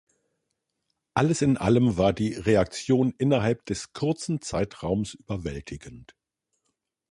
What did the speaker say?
Alles in allem war die Reaktion innerhalb des kurzen Zeitraums überwältigend.